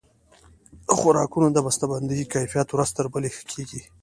د خوراکونو د بسته بندۍ کیفیت ورځ تر بلې ښه کیږي.